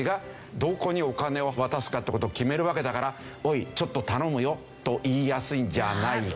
どこにお金を渡すかって事を決めるわけだから「おいちょっと頼むよ」と言いやすいんじゃないか。